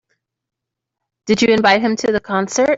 Did you invite him to the concert?